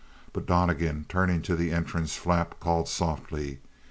But Donnegan, turning to the entrance flap, called softly.